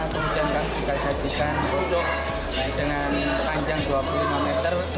kemudian kami juga sajikan produk dengan panjang dua puluh lima meter